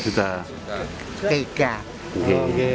tiga juta rupiah